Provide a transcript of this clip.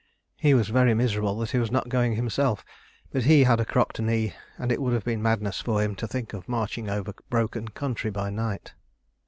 He was very miserable that he was not going himself, but he had a crocked knee and it would have been madness for him to think of marching over broken country by night.